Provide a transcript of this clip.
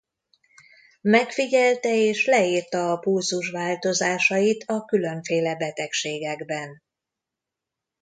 Megfigyelte és leírta a pulzus változásait a különféle betegségekben.